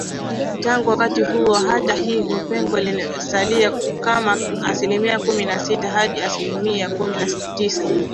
Tangu wakati huo hata hivyo pengo limesalia kati ya asilimia kumi na sita hadi aslimia kumi na tisa